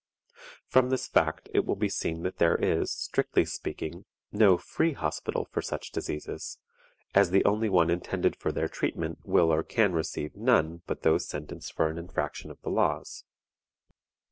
From this fact it will be seen that there is, strictly speaking, no "free" hospital for such diseases, as the only one intended for their treatment will or can receive none but those sentenced for an infraction of the laws.